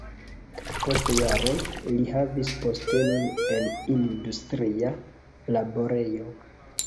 Post jaroj li havis postenon en industria laborejo.